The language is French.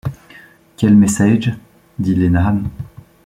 Quel messaige ? dit Iehan.